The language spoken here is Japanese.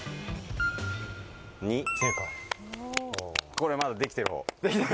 これまだできてるほう。